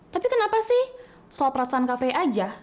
tapi kenapa sih soal perasaan kak fre aja